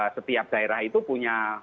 setiap daerah itu punya